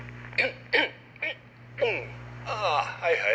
うんああはいはい。